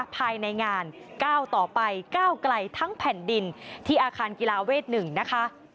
ภายในงานก้าวต่อไปก้าวไกลทั้งแผ่นดินที่อาคารกีฬาเวท๑นะคะ